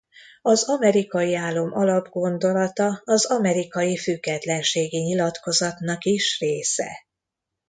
Az amerikai álom alapgondolata az amerikai függetlenségi nyilatkozatnak is része.